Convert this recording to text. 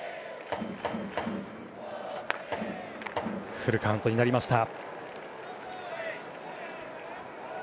フルカウントになりました。